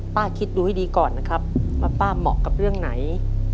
คิดดูให้ดีก่อนนะครับว่าป้าเหมาะกับเรื่องไหน